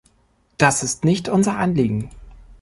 Das ist nicht unser Anliegen.